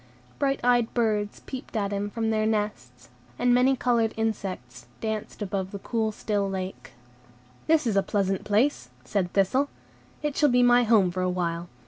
Bright eyed birds peeped at him from their nests, and many colored insects danced above the cool, still lake. "This is a pleasant place," said Thistle; "it shall be my home for a while.